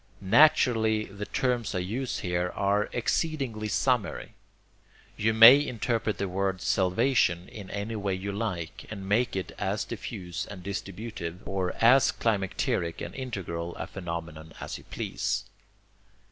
Naturally the terms I use here are exceedingly summary. You may interpret the word 'salvation' in any way you like, and make it as diffuse and distributive, or as climacteric and integral a phenomenon as you please.